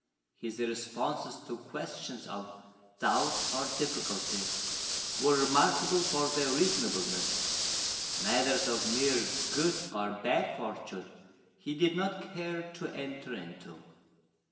His responses to questions of doubt or difficulty were remarkable for their reasonableness; matters of mere good or bad fortune he did not care to enter into.